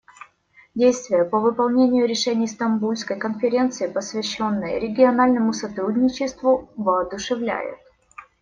Действия по выполнению решений Стамбульской конференции, посвященной региональному сотрудничеству, воодушевляют.